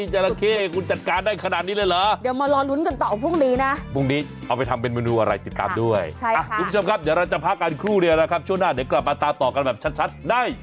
ช่วงหน้าเดี๋ยวกลับมาตามต่อกันแบบชัดใน